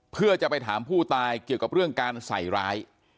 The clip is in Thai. เพื่อจะไปถามผู้ตายเกี่ยวกับเรื่องการใส่ร้าย